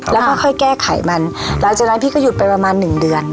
แล้วก็ค่อยแก้ไขมันหลังจากนั้นพี่ก็หยุดไปประมาณหนึ่งเดือน